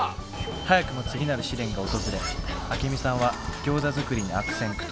早くも次なる試練が訪れアケミさんはギョーザ作りに悪戦苦闘。